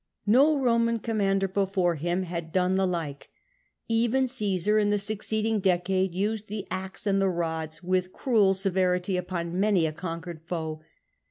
No Roman commander before him had 254 POMPEY done the like : even Caesar in the succeeding decade used the axe and the rods with cruel severity upon many a conquered foe.